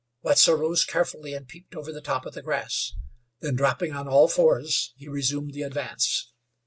Wetzel rose carefully and peeped over the top of the grass; then, dropping on all fours, he resumed the advance.